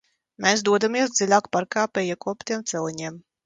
Mēs dodamies dziļāk parkā pa iekoptiem celiņiem.